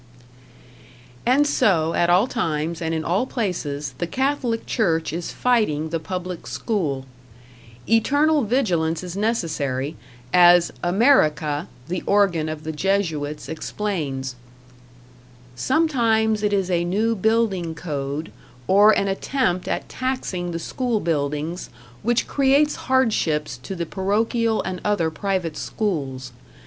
And so, at all times and in all places, the Catholic Church is fighting the public school. Eternal vigilance is necessary; as "America", the organ of the Jesuits, explains: Sometimes it is a new building code, or an attempt at taxing the school buildings, which creates hardships to the parochial and other private schools.